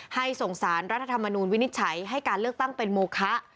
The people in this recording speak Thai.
ส่งสารรัฐธรรมนูลวินิจฉัยให้การเลือกตั้งเป็นโมคะ